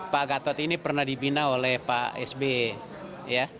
pak gatot ini pernah dibina oleh pak sby